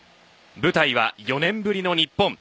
舞台は４年ぶりの日本。